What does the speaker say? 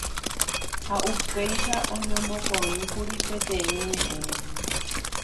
ha upéicha oñomoĩkuri peteĩ ñe'ẽme